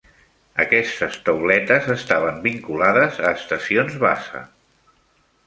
Aquestes tauletes estaven vinculades a estacions base.